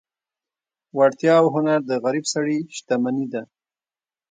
وړتیا او هنر د غریب سړي شتمني ده.